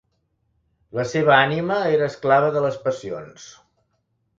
La seva ànima era esclava de les passions.